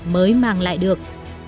mới mang lại được